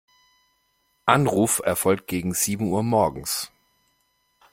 Anruf erfolgt gegen sieben Uhr morgens.